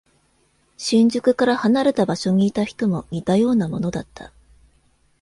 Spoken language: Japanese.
新宿から離れた場所にいた人も似たようなものだった。